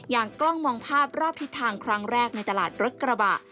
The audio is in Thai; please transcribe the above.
กล้องมองภาพรอบทิศทางครั้งแรกในตลาดรถกระบะ